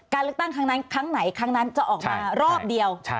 การเลือกตั้งครั้งนั้นครั้งไหนครั้งนั้นจะออกมารอบเดียว